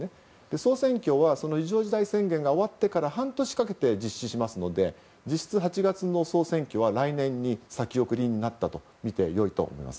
総選挙は非常事態宣言が終わってから半年かけて実施しますので実質、８月の総選挙は来年に先送りになったとみて良いと思います。